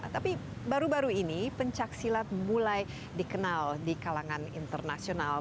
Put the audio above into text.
tapi baru baru ini pencaksilat mulai dikenal di kalangan internasional